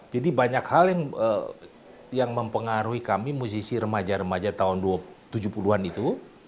banyak hal yang mempengaruhi kami musisi remaja remaja tahun tujuh puluh an itu